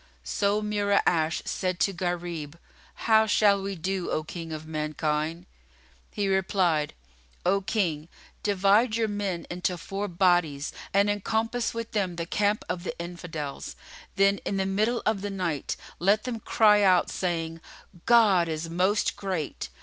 So Mura'ash said to Gharib, "How shall we do, O King of Mankind?" He replied, "O King, divide your men into four bodies and encompass with them the camp of the Infidels; then, in the middle of the Night, let them cry out, saying, 'God is Most Great!